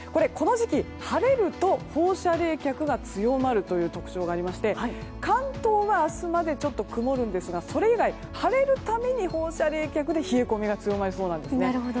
この時期晴れると放射冷却が強まるという特徴がありまして関東は明日まで曇るんですがそれ以外は晴れるために放射冷却で冷え込みが強まりそうなんです。